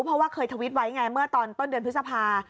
เพราะว่าเคยทวิตไว้ไงเมื่อตอนต้นเดือนพฤษภา